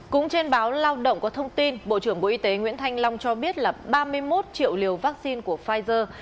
cũng trên báo lao động có thông tin bộ trưởng bộ y tế nguyễn thanh long cho biết là ba mươi một triệu liều vaccine của pfizer